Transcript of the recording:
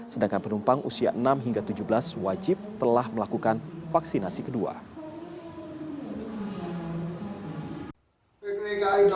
sedangkan penumpang usia enam hingga tujuh belas wajib telah melakukan vaksinasi kedua